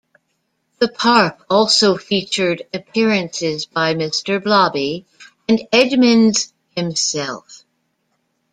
The park also featured appearances by Mr Blobby and Edmonds himself.